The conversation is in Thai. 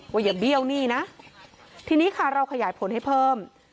อย่าเบี้ยวหนี้นะทีนี้ค่ะเราขยายผลให้เพิ่ม